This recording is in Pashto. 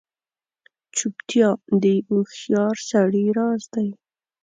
چوپتیا، د هوښیار سړي راز دی.